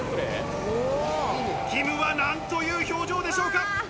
きむはなんという表情でしょうか。